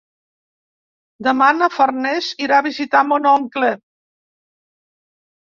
Demà na Farners irà a visitar mon oncle.